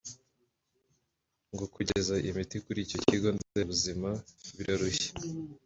ngo kugeza imiti kuri icyo kigo nderabuzima birarushya